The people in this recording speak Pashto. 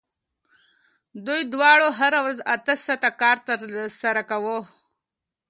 دوی دواړو هره ورځ اته ساعته کار ترسره کاوه